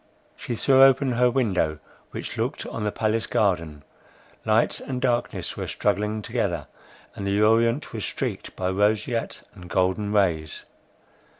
She threw open her window, which looked on the palace garden. Light and darkness were struggling together, and the orient was streaked by roseate and golden rays.